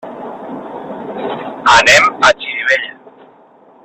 Anem a Xirivella.